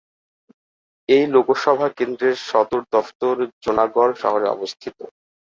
এই লোকসভা কেন্দ্রের সদর দফতর জুনাগড় শহরে অবস্থিত।